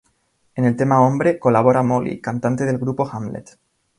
En el tema "Hombre" colabora Molly, cantante del grupo Hamlet.